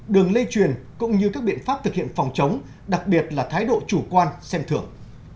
đường lây truyền cũng như các biện pháp thực hiện phòng chống đặc biệt là thái độ chủ quan xem thưởng